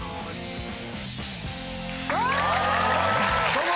どうも！